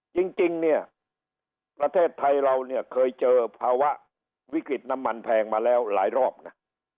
จริงเนี่ยประเทศไทยเราเนี่ยเคยเจอภาวะวิกฤตน้ำมันแพงมาแล้วหลายรอบนะ